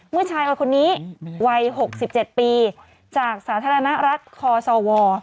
เมื่อชายคนนี้วัย๖๗ปีจากสาธารณรัฐคอสว